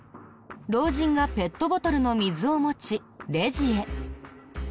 老人がペットボトルの水を持ちレジへ。